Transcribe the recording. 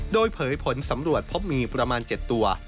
โดยเผยผลสำรวจพบมีประมาณ๗ตัว